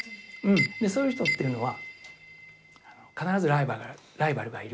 そういう人っていうのは必ずライバルがいる。